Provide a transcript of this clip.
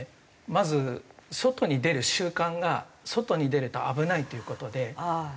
まず外に出る習慣が外に出ると危ないっていう事でこれが。